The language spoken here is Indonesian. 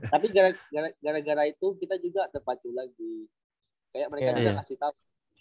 tapi gara gara itu kita juga terpacu lagi kayak mereka juga kasih tahu